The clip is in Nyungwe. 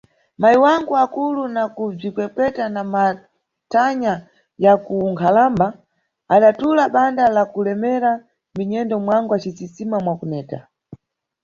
Mayi wangu akulu na kubzikwekweta na mathanya ya unkhalamba, adatula banda la kulemera mʼminyendo mwangu acisisima mwa kuneta.